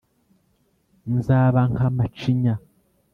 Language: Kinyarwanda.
Nzabankamacinya